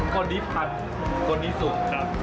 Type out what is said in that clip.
คนนี้พันคนนี้สุกครับ